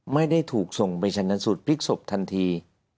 ไม่ได้ถูกส่งไปชนะสูตรพลิกศพทันที